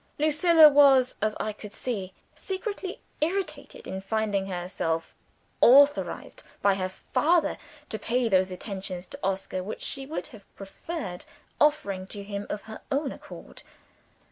Lucilla was, as I could see, secretly irritated at finding herself authorized by her father to pay those attentions to Oscar which she would have preferred offering to him of her own accord.